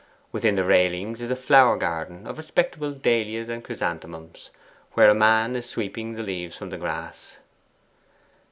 Within the railings is a flower garden of respectable dahlias and chrysanthemums, where a man is sweeping the leaves from the grass.